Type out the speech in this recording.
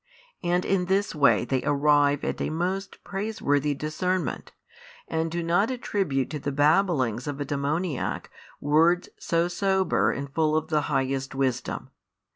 And in this way they arrive at a most praiseworthy discernment, and do not attribute to the babblings of a demoniac words so sober and full of the highest wisdom.